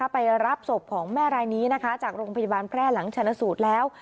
ไปรับศพของแม่รายนี้นะคะจากโรงพยาบาลแพร่หลังชนะสูตรแล้ว